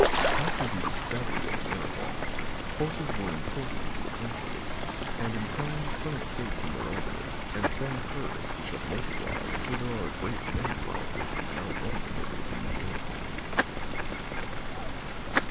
After the discovery of America, Horses were imported into the country and in time some escaped from their owners and formed herds which have multiplied until there are a great many wild Horses now roaming over the new world.